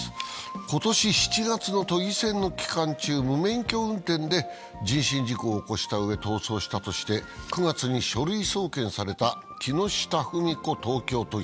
今年７月の都議選の期間中、無免許運転で人身事故を起こしたうえ逃走したとして９月に書類送検された木下富美子東京都議。